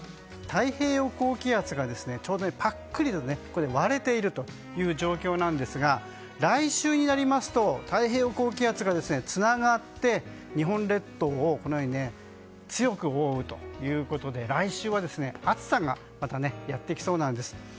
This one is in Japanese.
太平洋高気圧がちょうどぱっくりと割れているという状況なんですが来週になりますと太平洋高気圧がつながって日本列島を強く覆うということで来週は暑さがまたやってきそうなんです。